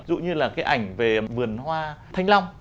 ví dụ như là cái ảnh về vườn hoa thanh long